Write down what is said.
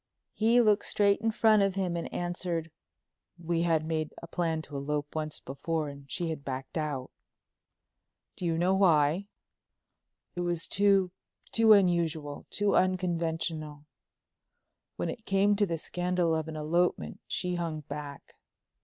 He looked straight in front of him and answered: "We had made a plan to elope once before and she had backed out." "Do you know why?" "It was too—too unusual—too unconventional. When it came to the scandal of an elopement she hung back."